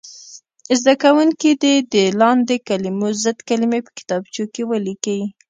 زده کوونکي دې د لاندې کلمو ضد کلمې په کتابچو کې ولیکي.